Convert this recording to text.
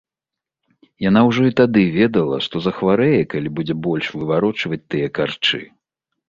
Яна ўжо і тады ведала, што захварэе, калі будзе больш выварочваць тыя карчы.